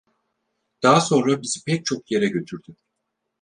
Daha sonra bizi pek çok yere götürdü.